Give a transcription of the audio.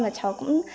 và cháu cũng